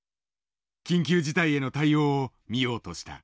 緊急事態への対応を見ようとした。